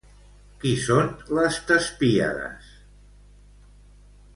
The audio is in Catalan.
Qui són les Tespíades?